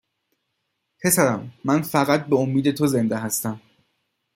پسرم من فقط به امید تو زنده هستم